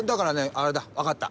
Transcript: あれだ分かった。